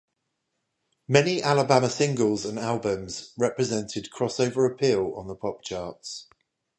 Many Alabama singles and albums represented crossover appeal on the pop charts.